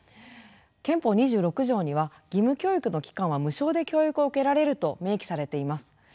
憲法２６条には義務教育の期間は無償で教育を受けられると明記されています。